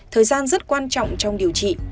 thời gian rất quan trọng trong điều trị